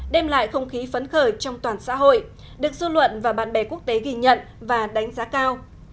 đem lại không khí phấn khởi trong toàn xã hội được dư luận và bạn bè quốc tế ghi nhận và đánh giá cao